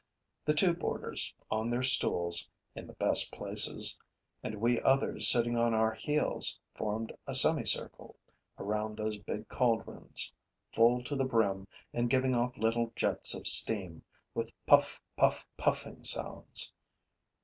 The two boarders, on their stools, in the best places, and we others sitting on our heels formed a semicircle around those big cauldrons, full to the brim and giving off little jets of steam, with puff puff puffing sounds.